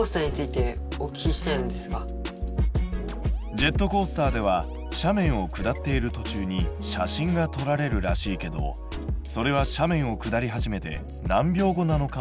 ジェットコースターでは斜面を下っているとちゅうに写真が撮られるらしいけどそれは斜面を下り始めて何秒後なのかを質問。